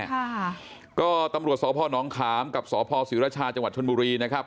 ค่ะก็ตำรวจสพนขามกับสพศรีรชาจังหวัดชนบุรีนะครับ